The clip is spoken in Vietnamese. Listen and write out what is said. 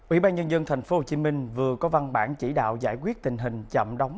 ủy ban nhân dân tp hcm vừa có văn bản chỉ đạo giải quyết tình hình chậm đóng